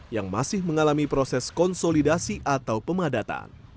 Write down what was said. yang masih mengalami proses konsolidasi atau pemadatan